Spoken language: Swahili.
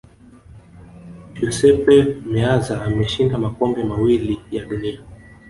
giuseppe meazza ameshinda makombe mawili ya dunia